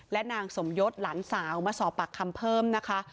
และนางสมยศหลานสาวมาสอบปากคำเพิ่มนะคะ